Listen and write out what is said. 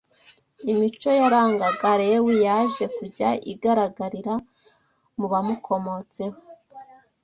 Imico yarangaga Lewi, yaje kujya igaragarira mu bamukomotseho